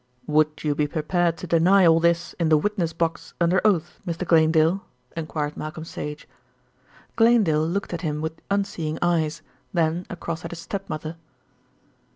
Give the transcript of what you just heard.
"Would you be prepared to deny all this in the witness box under oath, Mr. Glanedale?" enquired Malcolm Sage. Glanedale looked at him with unseeing eyes, then across at his step mother.